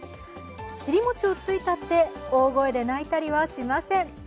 尻もちをついたって大声で泣いたりしません。